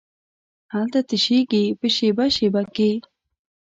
هلته تشېږې په شیبه، شیبه کې